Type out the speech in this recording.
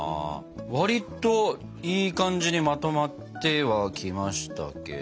割といい感じにまとまってはきましたけど。